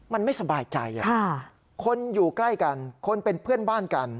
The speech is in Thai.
มันไม่สบายใจคนอยู่ใกล้กันคนเป็นเพื่อนบ้านกัน